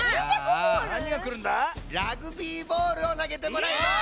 ラグビーボールをなげてもらいます！